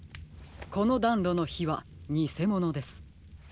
このだんろのひはにせものです。